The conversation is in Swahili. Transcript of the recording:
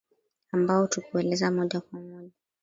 ambao tukueleza moja kwa moja